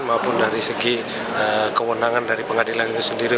maupun dari segi kewenangan dari pengadilan itu sendiri